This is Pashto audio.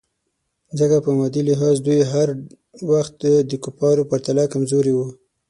ځکه په مادي لحاظ دوی هر وخت د کفارو پرتله کمزوري وو.